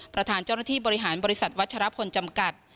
ประธานเจ้าหน้าที่บริหารบริษัทวัชรพลจำกัด